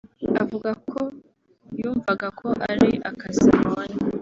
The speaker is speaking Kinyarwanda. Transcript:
Avuga ko yumvaga ko ari akazi abonye